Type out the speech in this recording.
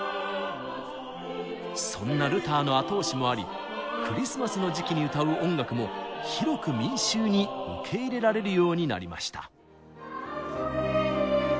そんなルターの後押しもありクリスマスの時期に歌う音楽も広く民衆に受け入れられるようになりました。